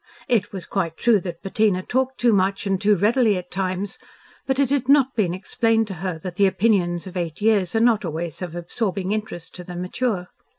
It was quite true that Bettina talked too much and too readily at times, but it had not been explained to her that the opinions of eight years are not always of absorbing interest to the mature.